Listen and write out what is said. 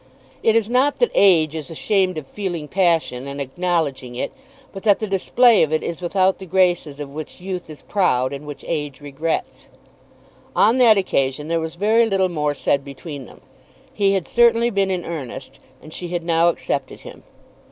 It is not that Age is ashamed of feeling passion and acknowledging it, but that the display of it is, without the graces of which Youth is proud, and which Age regrets. On that occasion there was very little more said between them. He had certainly been in earnest, and she had now accepted him.